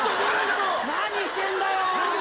何してんだよ？